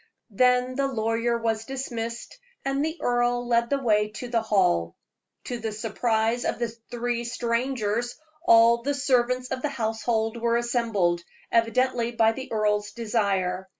Then the lawyer was dismissed, and the earl led the way to the hall. To the surprise of the three strangers, all the servants of the household were assembled, evidently by the earl's desire.